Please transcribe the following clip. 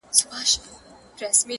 خو اصلي درد هېڅوک نه درک کوي سم,